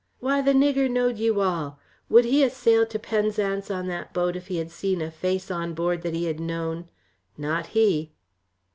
Why the nigger knowed you all! Would he ha' sailed to Penzance on that boat if he had seen a face on board that he had known? not he."